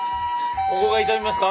ここが痛みますか？